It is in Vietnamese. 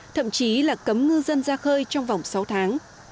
thậm chí là cấm ngư dân ra khơi trong vòng sáu tháng